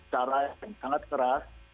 cara yang sangat keras